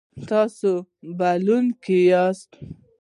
تاسو بایلونکی یاست